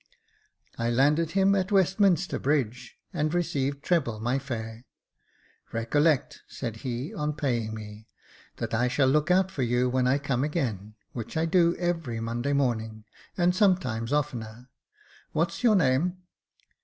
I landed him at "Westminster Bridge, and received treble my fare. " Recollect," said he, on paying me, " that I shall look out for you when I come again, which I do every Monday morning, and sometimes oftener. What's your name